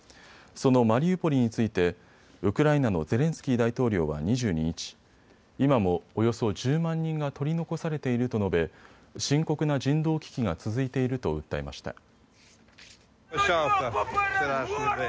そのマリウポリについてウクライナのゼレンスキー大統領は２２日、今もおよそ１０万人が取り残されていると述べ深刻な人道危機が続いていると訴えました。